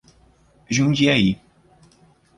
Jundiaí